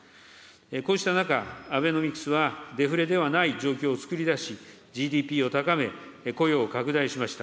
こうした中、アベノミクスはデフレではない状況をつくり出し、ＧＤＰを高め、雇用を拡大しました。